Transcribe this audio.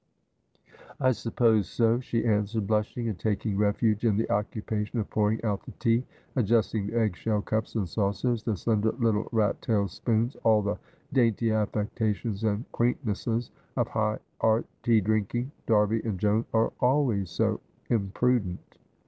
' I suppose so,' she answered, blushing, and taking refuge in the occupation of pouring out the tea, adjusting the egg sheU cups and saucers, the slender little rat tailed spoons, all the dainty afEectations and quaintnesses of high art tea drinking, ' Darby and Joan are always so imprudent.'